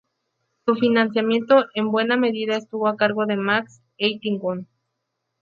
Su financiamiento en buena medida estuvo a cargo de Max Eitingon.